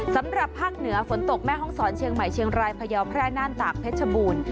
สำหรับภาคเหนือฝนตกแม่ห้องศรเชียงใหม่เชียงรายพยาวแพร่น่านตากเพชรบูรณ์